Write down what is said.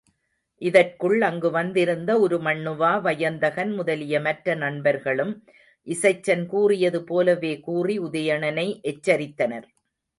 இதற்குள் அங்கு வந்திருந்த உருமண்ணுவா, வயந்தகன் முதலிய மற்ற நண்பர்களும் இசைச்சன் கூறியது போலவே கூறி உதயணனை எச்சரித்தனர்.